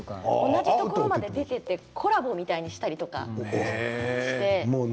同じところに出ていってコラボみたいにしたりして。